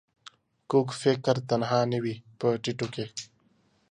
کوږ فکر تنها نه وي په ټيټو کې